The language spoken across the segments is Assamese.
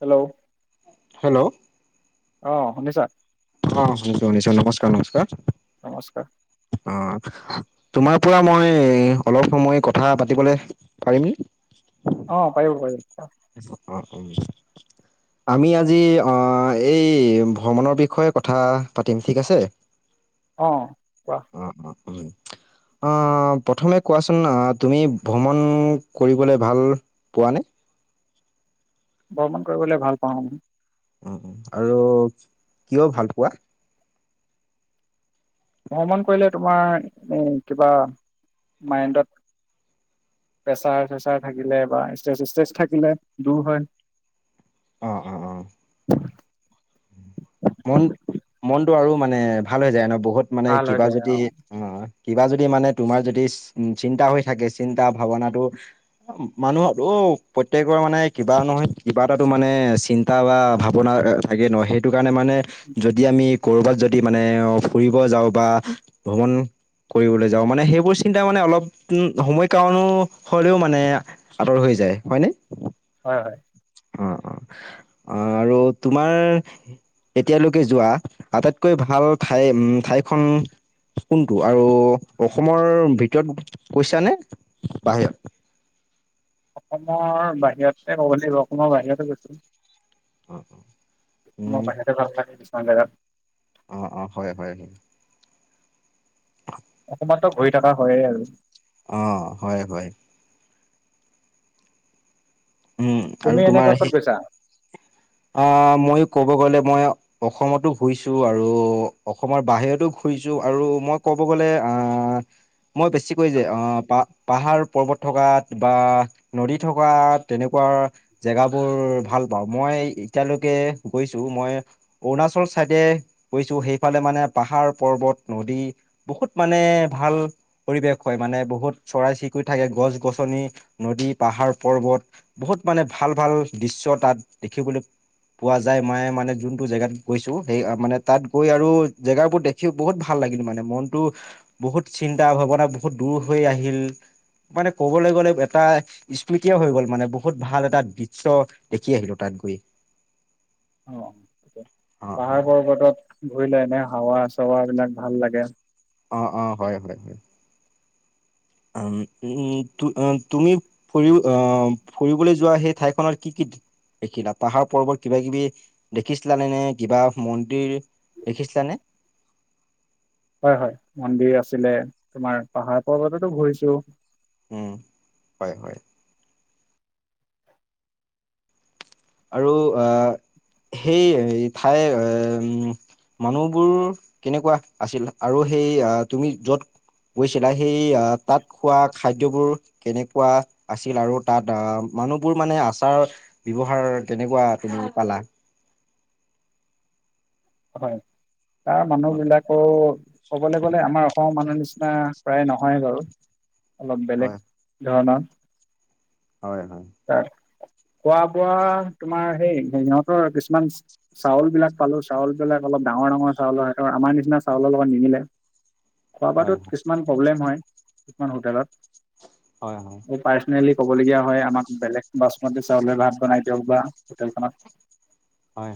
হেল্ল', হেল্ল', অ, শুনিছা? অ, শুনিছো - শুনিছো নমস্কাৰ - নমস্কাৰ। নমস্কাৰ অ, তোমাৰ পৰা মই অলপ সময় কথা পাতিবলে পাৰিম অ, পাৰিব - পাৰিব। অ, উম, আমি আজি এই ভ্ৰমণৰ বিষয়ে কথা পাতিম ঠিক আছে। [inaudible] অ, কোৱা? উম, অ, উম, অ, প্ৰথমে কোৱাচোন তুমি ভ্ৰমণ কৰিবলৈ ভাল পোৱা নে? ভ্ৰমণ কৰিবলে ভাল পাও আমি উ আৰু কিয় ভাল পোৱা। ভ্ৰমণ কৰিলে তোমাৰ এ কিবা মাইণ্ডত। প্ৰেছাৰ চেচাৰ থাকিলে বা ষ্ট্ৰেচ ষ্ট্ৰেচ থাকিলে দূৰ হয়। অ অ। অ মন মনটো আৰু মানে ভাল হৈ যায় ন বহুত মানে ভাল হৈ কিবা যায় যদি। অঁ অ কিবা যদি মানে তোমাৰ যদি চিন্তা হৈ থাকে চিন্তা ভাৱনাটো। মানুহত অ প্ৰত্যেকৰে মানে কিবা নহয় কিবা এটা মানে চিন্তা। এটা বা ভাৱনা থাকেই নহ সেইটো কাৰণে মানে যদি আমি কৰ'বাত যদি মানে ফুৰিব যাও বা ভ্ৰমণ কৰিবলৈ যাও মানে সেইবোৰ চিন্তা মানে অলপ সময় কাৰণো হলেও মানে আতৰ হৈ যায় হয়নে। হয় - হয়। অ', অ', অ আৰু তোমাৰ এতিয়ালৈকে যোৱা আটাইতকৈ ভাল ঠাই উম, ঠাইখন কোনটো আৰু অসমৰ ভিতৰত গৈছা নে বাহিৰত। অসমৰ বাহিৰতে কব লাগিব অসমৰ বাহিৰতে গৈছোঁ। অ', অ', মই বাহিৰতে ভাল লাগে কিছুমান জেগাত। অ অ হয় হয় হয়। অসমতটো ঘৰি থকা হয়ে আৰু। অ হয় হয়। উম তুমি এনে ক'ত ক'ত গৈছা? অ মইয়ো ক'ব গলে মই। অসমতো ঘুৰিছো আৰু অসমৰ বাহিৰতো ঘুৰিছো আৰু মই ক'ব গ'লে আহ। মই বেছিকৈ যে পাহ পাহাৰ পৰ্বত থকাত বা। নদী থকা তেনেকুৱা জেগাবোৰ ভাল পাওঁ মই। এতিয়ালৈকে গৈছো, মই অৰুণাচল চাইডে গৈছো, সেইফালে মানে পাহাৰ-পৰ্বত, নদী। বহুত মানে ভাল পৰিৱেশ হয় মানে, বহুত চৰাই-চিৰিকটি থাকে, গছ-গছনি, নদী, পাহাৰ, পৰ্বত। বহুত মানে ভাল-ভাল দৃশ্য তাত দেখিবলৈ পোৱা যায় মায়ে মানে যোনটো জেগাত গৈছো সেই মানে তাত গৈ আৰু জেগাৰ বোৰতে। সি বহুত ভাল লাগিল মানে মনতো বহুত চিন্তা ভাৱনা বহুত দূৰ হৈ আহিল। মানে ক'বলৈ গ'লে এটাই, স্মৃতি হৈ গল মানে বহুত ভাল এটা দৃশ্য দেখি আহিলো তাত গৈ। অ অ অ পাহাৰ পৰ্বতত ঘূৰিলে এনে হাৱা চাৱা বিলাক ভাল লাগে। অ' অ' হয় হয়। উ-উম, তুমি। ফুৰিব আ, ফুৰিবলৈ যোৱা সেই ঠাইখনৰ কি কি দেখিলা? পাহাৰ-পৰ্বত কিবা কিবি দেখিছিলানে? নে কিবা মন্দিৰ। দেখিছিলানে? হয় হয়। মন্দিৰ আছিলে, তোমাৰ পাহাৰ পৰ্বততো ঘূৰিছো। উম, হয় হয়। আৰু আ, সেই ঠাই, উম। মানুহবোৰ কেনেকুৱা আছিল? আৰু সেই তুমি য'ত। গৈছিলা! সেই তাত খোৱা খাদ্যবোৰ। কেনেকুৱা আছিল? আৰু তাত আ মানুহবোৰ মানে আচাৰত আহাৰ কেনেকুৱা তুমি পালা? হয়, তাৰ মানুহবিলাকো। ক'বলৈ গ'লে আমাৰ অসমৰ মানুহৰ নিচিনা প্ৰায় নহয় বাৰু! অলপ বেলেগ হয় ধৰণৰ। হয়। তাত খোৱা-বোৱা, তোমাৰ সেই সিহঁতৰ কিছুমান চাউলবিলাক পালো। চাউলবিলাক অলপ ডাঙৰ ডাঙৰ চাউল হয়। আৰু আমাৰ নিচিনা চাউলৰ লগত নিমিলে। হয় খোৱা-বোৱাটোত কিছুমান প্ৰব্লেম হয়। কিছুমান হোটেলত হয়। মোৰ পাৰ্চনেলি ক'বলগীয়া হয়। আমাক বেলেগ বাচমতি চাউলে ভাত বনাই দিয়ক বা হোটেলখনত। হয়।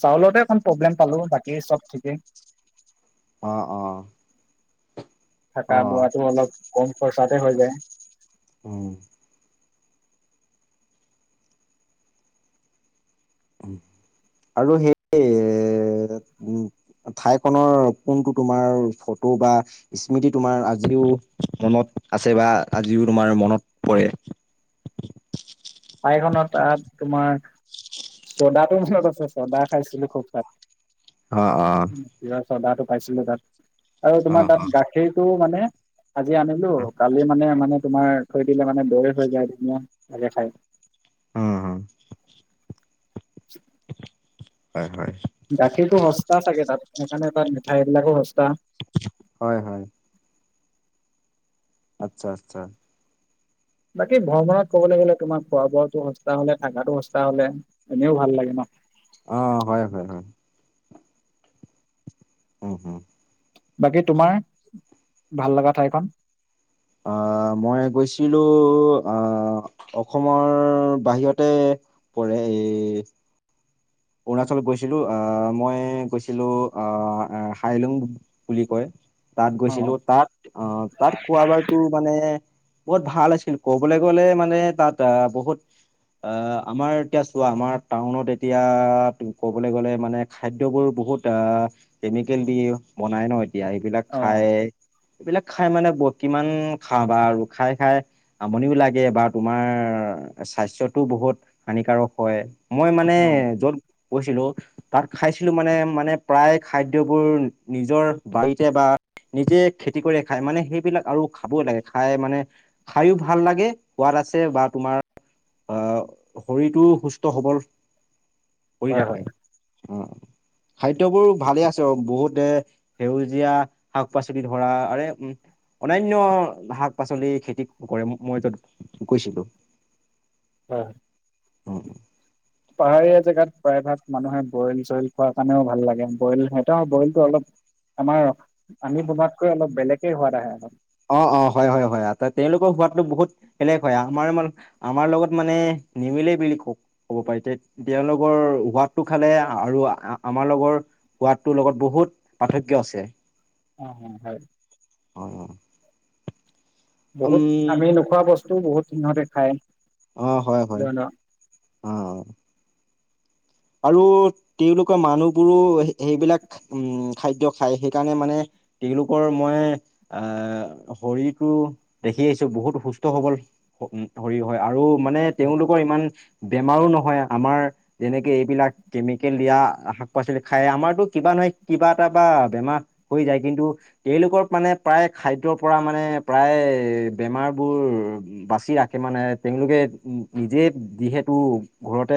চাউলতে অকন প্ৰব্লেম পালো। বাকী চব ঠিকেই। অ' অ'। অ থকা-বোৱাতো অলপ কম খৰচাতে হৈ যায়। উম। আৰু সেই, উম। ঠাইখনৰ কোনটো তোমাৰ ফটো বা স্মৃতি তোমাৰ আজিও মনত আছে বা আজিও তোমাৰ মনত পৰে। ঠাইখনত তাত তোমাৰ চ'দাটো মনত আছে, চৌদা খাইছিলো খুব তাত। অ' অ'। চ'দাটো পাইছিলো তাত আৰু অ তোমাৰ তাত গাখীৰটো মানে আজি আনিলো কালি মানে, মানে তোমাৰ থৈ দিলে মানে দৈ হৈ যায়। ধুনীয়া লাগে খাই। উম, হুম। [unintelligible] হয় হয়। গাখীৰটো সস্তা চাগে তাত, সেইকাৰণে তাত মিঠাইবিলাকো সস্তা। হয় হয়। আচ্ছা আচ্ছা। বাকী ভ্ৰমণত ক'বলে গ'লে তোমাৰ খোৱা-বোৱাটো সস্তা হ'লে, থাকাটো সস্তা হ'লে, এনেও ভাল লাগে ন? অ হয় হয় হয়। উম হুম। বাকী তোমাৰ ভাল লাগা ঠাইখন? আ মই গৈছিলো, আ অসমৰ বাহিৰতে পৰে, এই অৰুণাচলত গৈছিলো। আ মই গৈছিলো, আ হাইলুং বুলি কয়। তাত অ অ গৈছিলো তাত, আ তাত খোৱা বাৰটো মানে বহুত ভাল আছিল ক'বলে গ'লে মানে তাত বহুত অ আমাৰ এতিয়া চোৱা আমাৰ টাউনত এতিয়া অহ, ক'বলে গ'লে মানে খাদ্যবোৰ বহুত আ কেমিকেল দি বনাই ন এতিয়া এইবিলাক অ খাই এইবিলাক খাই মানে ব কিমান খাবা আৰু খাই খাই আমনিও লাগে বা তোমাৰ স্বাস্থ্যটোও বহুত হানিকাৰক হয়। মই মানে অ য'ত গৈছিলো তাত খাইছিলো মানে মানে প্ৰায় খাদ্যবোৰ নিজৰ বাৰীতে বা নিজে খেতি কৰিয়ে খাই মানে সেইবিলাক আৰু খাবই লাগে খাই মানে খাইও ভাল লাগে, সোৱাদ আছে বা তোমাৰ অহ শৰীৰটোও সুস্থ-সবল কৰি হয় ৰাখে। হয় অ খাদ্যবোৰ ভালে আছে বহুতে সেউজীয়া শাক-পাচলি ধৰা আৰে উম অনান্য শাক-পাচলি খেতি কৰে, মই যত গৈছিলো হয়। [inaudible] পাহাৰীয়া জেগাত প্ৰায়ভাগ মানুহে বইল-চইল খোৱাৰ কাৰণেও ভাল লাগে, বইল সিহঁতৰ বইলটো অলপ আমাৰ আমি বনোৱাতকৈ অলপ বেলেগে সোৱাদ আহে অ অ, হয় হয় হয়, তেওঁলোকৰ সোৱাদটো বহুত বেলেগ হয় আমাৰ মানে আমাৰ লগত মানে নিমিলেই বুলি কওঁক। ক'ব পাৰি তে তেওঁলোকৰ সোৱাদটো খালে আৰু আমাৰ লগৰ সোৱাদটোৰ লগত বহুত পাৰ্থক্য আছে। অহ অহ হয়। হয় হয়। বহুত আমি নোখোৱা বস্তুও বহুত সিহঁতে খায়। অ হয় হয়, ধৰি অ অ। আৰু তেওঁলোকৰ মানুহবোৰো সেইবিলাক উম খাদ্য খায় সেইকাৰণে মানে তেওঁলোকৰ মই আহ শৰীৰটো দেখি আহিছো বহুত সুস্থ-সবল শৰীৰ হয় আৰু মানে লওক তেওঁলোকৰ ইমান বেমাৰো নহয় আমাৰ যেনেকে এইবিলাক কেমিকেল দিয়া শাক-পাচলি খাই আমাৰতো কিবা নহয় কিবা এটা বা বেমাৰ হৈ যায় কিন্তু তেওঁলোকৰ মানে প্ৰায় খাদ্যৰ পৰা মানে প্ৰায় বেমাৰ বোৰ বাচি ৰাখে মানে তেওঁলোকে নিজে যিহেতু ঘৰতে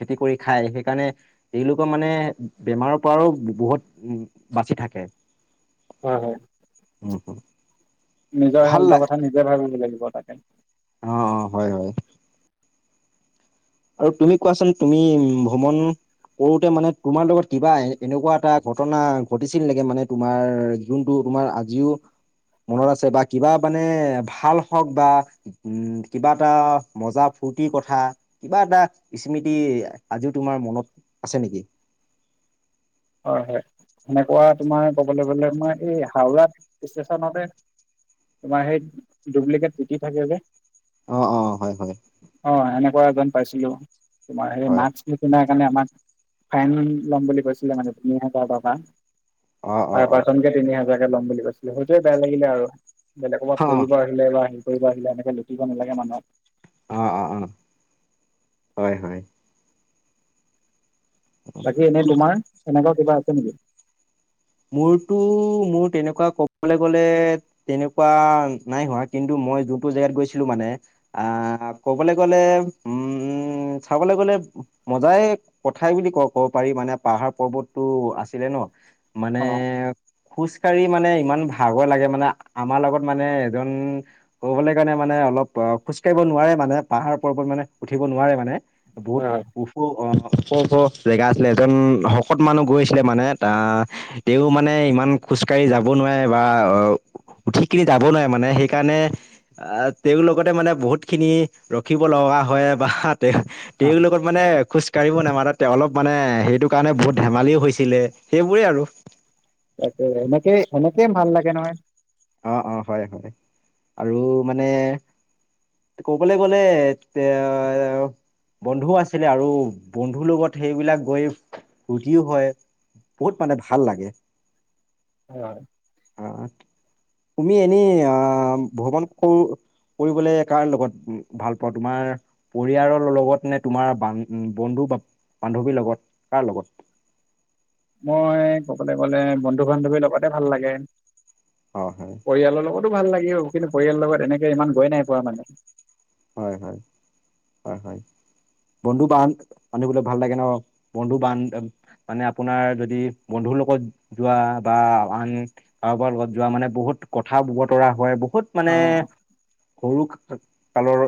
খেতি কৰি খায় সেইকাৰণে তেওঁলোকৰ মানে বেমাৰৰ পৰাও বহুত বাচি থাকে। হয় হয়। [unintelligible] নিজৰ ভাল হেল্থৰ কথা নিজে ভাবিব লাগিব তাকে। অঁ অঁ হয় হয়। আৰু তুমি কোৱাচোন তুমি ভ্ৰমণ সৰুতে মানে তোমাৰ লগত কিবা এ এনেকুৱা এটা ঘটনা ঘটিছিল নেকি মানে তোমাৰ যোনটো তোমাৰ আজিও মনত আছে বা কিবা মানে ভাল হওঁক বা উম কিবা এটা মজা ফূৰ্তিৰ কথা কিবা এটা স্মৃতি আজিও তোমাৰ মনত আছে নেকি? হয় হয় সেনেকুৱা তোমাৰ কবলৈ গলে তোমাৰ এই হাওৰা ষ্টেচনতে তোমাৰ সেই ডুপ্লিকেট টি টি থাকে যে অঁ অঁ হয় হয়। অঁ এনেকুৱা এজন পাইছিলো তোমাৰ সেই হয়, মাস্ক [unintelligible] আমাক ফাইন লম বুলি কৈছিলে মানে তিনি হাজাৰ টকা। অ', অ', পাৰ অ', পাৰ্চন কে তিনি হাজাৰকে ল'ম বুলি কৈছিলে সেইটোৱে বেয়া লাগিলে আৰু বেলেগৰ পৰা অ', পৰি লোৱা বা হৰি কৰিব আহিলে এনেক লুটিব নাগে মানুহক। অঁ অঁ অঁ হয় হয়। বাকী এনেই তোমাৰ এনেকুৱা কিবা আছে নেকি? মোৰতো মোৰ তেনেকুৱা ক'বলৈ গ'লে তেনেকুৱা নাই হোৱা কিন্তু মই যোনটো জেগাত গৈছিলো মানে আহ ক'বলৈ গ'লে উম চাবলৈ গ'লে মজাই কথাই বুলি ক ক'ব পাৰি মানে পাহাৰ পৰ্বতটো আছিলে ন। মানে অ হয় খোজ কাঢ়ি মানে ইমান ভাগৰ লাগে মানে আমাৰ লগত মানে এজন কৰিবলৈ কাৰণে মানে অলপ অ খোজ কাঢ়িব নোৱাৰে মানে পাহাৰ পৰ্বত মানে উঠিব নোৱাৰে মানে। বহুত হয় উ খ ওখ ওখ জেগা আছিলে এজন শকত মানুহ গৈছিলে মানে তা তেওঁ মানে ইমান খোজ কাঢ়ি যাব নোৱাৰে বা আহ উঠি কিনি যাব নোৱাৰে মানে সেইকাৰণে আহ তেওঁৰ লগতে মানে বহুত খিনি ৰখিব লগা হয় বা তে অ তেওঁৰ লগত মানে খোজ কঢ়িব নামা তা অলপ মানে সেইটো কাৰণে বহুত ধেমালিও হৈছিলে সেইবোৰেই আৰু। তাকে এনেকে সেনেকে ভাল লাগে নহয়। অঁ অঁ হয় হয় আৰু মানে ক'বলৈ গ'লে এত তে বন্ধুও আছিলে আৰু বন্ধুৰ লগত সেইবিলাক গৈ ফূৰ্তিও হয়। বহুত মানে ভাল লাগে। হয় হয়। [unintelligible] তুমি এনেই আহ ভ্ৰমণ কৰো ফুৰিবলে কাৰ লগত উ ভাল পোৱা তোমাৰ পৰিয়ালৰ লগত নে তোমাৰান বন্ধু বা বান্ধৱীৰ লগত কাৰ লগত? মই কবলৈ গ'লে বন্ধু বান্ধৱী লগতে ভাল লাগে। অহ হয়। পৰিয়ালৰ লগতো ভাল লাগে কিন্তু পৰিয়ালৰ লগত এনেকে ইমান গৈ নাই পোৱা মানে। হয় হয় হয় হয়। বন্ধু বান্ধ আনিবলে ভাল লাগে ন বন্ধু বান্ধ মানে আপোনাৰ যদি বন্ধুৰ লগত যোৱা বা আন কাৰোবাৰ লগত যোৱা মানে বহুত কথা বতৰা হয় বহুত অ মানে হয় সৰু কালৰ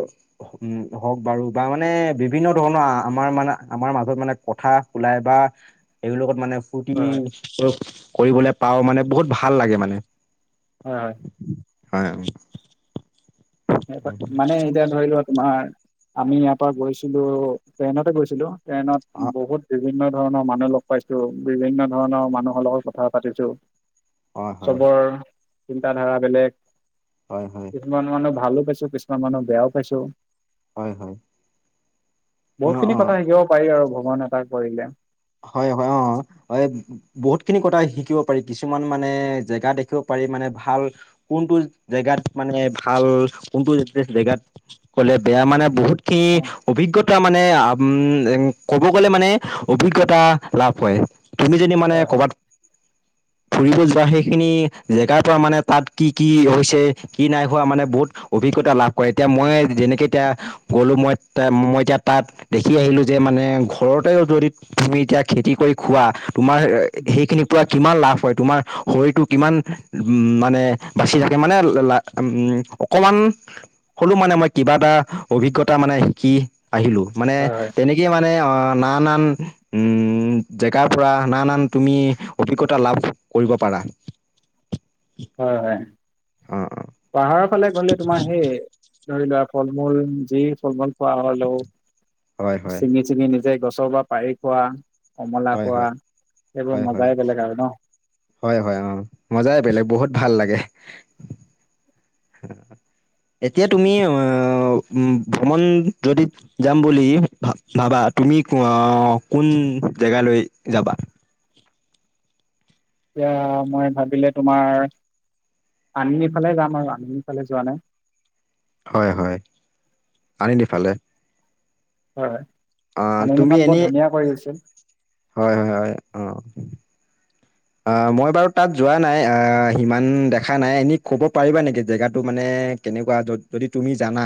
উম হওক বাৰু বা মানে বিভিন্ন ধৰণৰ আমাৰ মানে আমাৰ মাজত মানে কথা ওলাই বা এইবিলগত মানে ফূৰ্তি হয় কৰিবলৈ পাওঁ মানে বহুত ভাল লাগে মানে। হয় হয়। হয় উম। মানে এতিয়া ধৰি লোৱা তোমাৰ আমি ইয়াৰ পৰা গৈছিলো ট্ৰেইনতে গৈছিলো। ট্টেনত অ বহুত বিভিন্ন ধৰণৰ মানুহ লগ পাইছো, বিভিন্ন ধৰণৰ মানুহৰ লগত কথা পাতিছোঁ। অ হয় চবৰ চিন্তা ধাৰা বেলেগ, হয় হয় কিছুমান মানুহ ভালো পাইছোঁ কিছুমান মানুহ বেয়াও পাইছোঁ। হয় হয় অ বহুত খিনি অ কথা শিকিব পাৰি আৰু ভগৱান এটাক কৰিলে। হয়-হয় অ, হয়। বহুত খিনি কথা শিকিব পাৰি, কিছুমান মানে জেগা দেখিব পাৰি মানে ভাল কোনটো জেগাত মানে ভাল কোনটো জেগাত কলে বেয়া মানে বহুত কে হয় অভিজ্ঞতা মানে উম ক'ব গ'লে মানে অভিজ্ঞ তা লাভ হয় তুমি যদি মানে হয় কবাত ফুৰিব যোৱা সেইখিনি জেগাৰ পৰা মানে তাত কি - কি হৈছে কি নাই হোৱা মানে বহুত অভিজ্ঞতা লাভ কৰে এতিয়া মই যেনেকে এতিয়া গ'লো মই মই এতিয়া তাত দেখি আহিলো যে মানে ঘৰতে যৰিত তুমি এতিয়া খেতি কৰি খোৱা তোমাৰ সেইখিনি পৰা কিমান লাভ হয় তোমাৰ শৰীৰটো কিমান উম, মানে বাচি থাকে মানে লা উম, অকণমান হ'লো মানে মই কিবা এটা অভিজ্ঞতা মানে শিকি আহিলো। মানে হয় তেনেকেই মানে নানান জেগাৰ পৰা নানান তুমি অভিজ্ঞতা লাভ কৰিব পাৰা। হয়-হয়। অ', অ', পাহাৰৰ ফালে ঘলে তোমাৰ সেই ধৰি লোৱা ফল মূল যি ফল - মূল খোৱা হলেও হয় হয় ছিঙি - ছিঙি নিজে গছৰ পৰা পাৰি খোৱা। কমলা হয় খোৱা হয় সেইবোৰ মজাই বেলেগ আৰু ন। হয়-হয় অ, মজাই বেলেগ বহুত ভাল লাগে। এতিয়া তুমি ভ্ৰমণ যদিত যাম বুলি ভ - ভাবা তুমি আহ কোন জেগালৈ যাবা? এতিয়া মই ভাবিলে তোমাৰ আনিনি ফালে যাম আৰু আনিনি ফালে যোৱা নাই। হয় - হয় আনিনিফালে। হয় হয়, তুমি আনিনিখন বৰ এনেই ধুনীয়া কৰি গৈছিল। হয় - হয় - হয় অ, আহ, মই বাৰু তাত যোৱা নাই, আহ, সিমান দেখা নাই এনেই ক'ব পাৰিবা নেকি জেগাটো মানে কেনেকুৱা য যদি তুমি জানা?